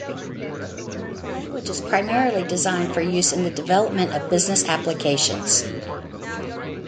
The language is primarily designed for use in the development of business applications.